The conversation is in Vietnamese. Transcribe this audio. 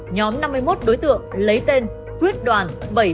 nhóm năm mươi một đối tượng lấy tên quyết đoàn bảy nghìn bảy trăm bảy mươi ba